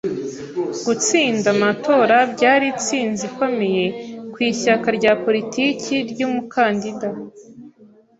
Gutsinda amatora byari intsinzi ikomeye ku ishyaka rya politiki ry'umukandida.